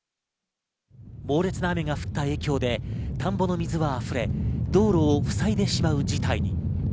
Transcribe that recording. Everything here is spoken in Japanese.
猛烈な雨が降った影響で田んぼの水はあふれ、道路をふさいでしまう事態に。